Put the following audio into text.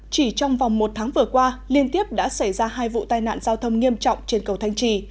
chỉ trong vòng một tháng vừa qua liên tiếp đã xảy ra hai vụ tai nạn giao thông nghiêm trọng trên cầu thanh trì